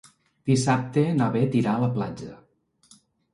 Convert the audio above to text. Dissabte na Bet irà a la platja.